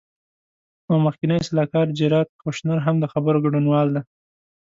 او مخکینی سلاکار جیراد کوشنر هم د خبرو ګډونوال دی.